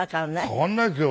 変わんないですよ。